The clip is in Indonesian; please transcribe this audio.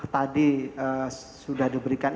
tadi sudah diberikan